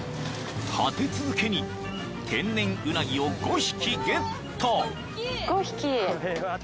［立て続けに天然うなぎを５匹ゲット］